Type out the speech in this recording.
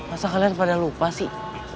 masa kalian pada lupa sih